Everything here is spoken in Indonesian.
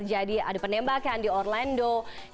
terjadi ada penembakan di orlando